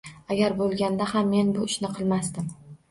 Agar bo’lganda ham men bu ishni qilmasdim